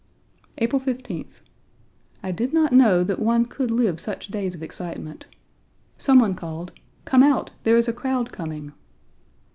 April 15th. I did not know that one could live such days of excitement. Some one called: "Come out! There is a crowd coming."